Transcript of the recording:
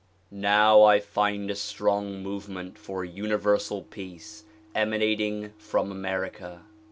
Now I find a strong movement for Universal Peace emanating from America.